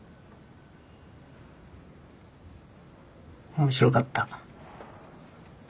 面白かった。